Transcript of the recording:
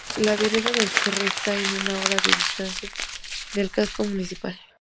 La Vereda el Cerro está a una hora de distancia del casco municipal.